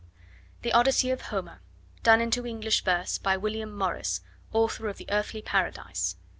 The Odyssey of Homer. Done into English Verse by William Morris, Author of The Earthly Paradise.